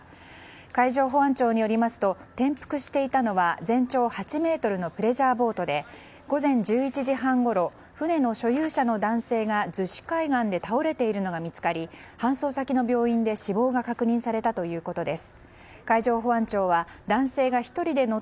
海上保安庁によりますと転覆していたのは全長８ｍのプレジャーボートで午前１１時半ごろ船の所有者の男性が逗子海岸で倒れているのが見つかり搬送先の病院で死亡が確認されたということです。